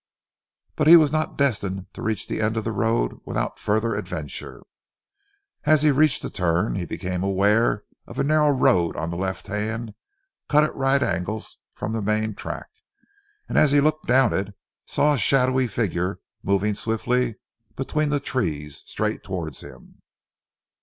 But he was not destined to reach the end of the road without further adventure. As he reached the turn he became aware of a narrow road on the left hand cut at right angles from the main track, and as he looked down it, saw a shadowy figure moving swiftly between the trees straight towards him.